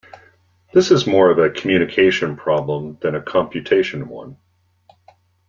This is more of a communication problem than a computation one.